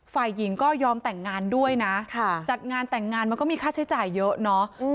ฝ่ายหญิงก็ยอมแต่งงานด้วยนะจัดงานแต่งงานมันก็มีค่าใช้จ่ายเยอะเนาะ